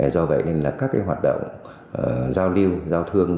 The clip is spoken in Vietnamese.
do vậy nên là các cái hoạt động giao lưu giao thương